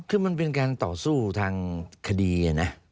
คือมันเป็นการต่อสู้ทางคดีนะ